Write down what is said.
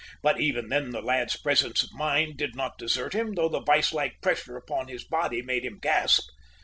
But even then the lad's presence of mind did not desert him, though the vise like pressure about his body made him gasp.